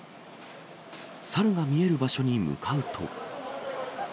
猿が見える場所に向かうと。